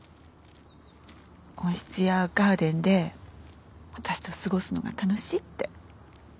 温室やガーデンで私と過ごすのが楽しいって。